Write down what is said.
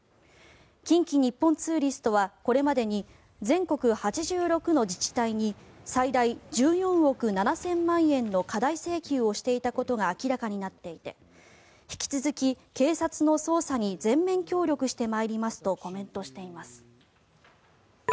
近畿日本ツーリストはこれまでに全国８６の自治体に最大１４億７０００万円の過大請求をしていたことが明らかになっていて引き続き警察の捜査に全面協力してまいりますとコメントしています。